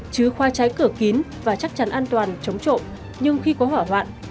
chứ khoa trái cửa kín và chắc chắn an toàn chống trộm nhưng khi có hỏa hoạn